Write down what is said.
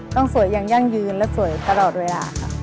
ต้องสวยอย่างยั่งยืนและสวยตลอดเวลาค่ะ